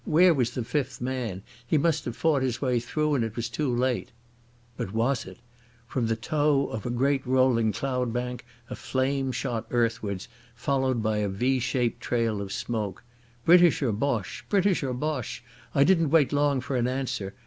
Where was the fifth man? He must have fought his way through, and it was too late. But was it? From the toe of a great rolling cloud bank a flame shot earthwards, followed by a V shaped trail of smoke. British or Boche? British or Boche? I didn't wait long for an answer.